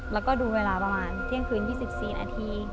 แล้วก็ดูเวลาประมาณเที่ยงคืน๒๔นาที